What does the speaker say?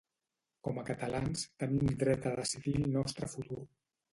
Com a catalans, tenim dret a decidir el nostre futur